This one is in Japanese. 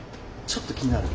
ちょっと気になる。